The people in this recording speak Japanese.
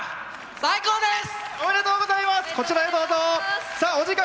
最高です！